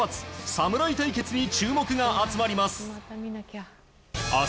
侍対決に注目が集まります。